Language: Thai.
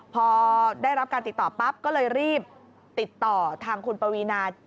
พอได้รับการติดต่อปั๊บก็เลยรีบติดต่อทางคุณปวีนา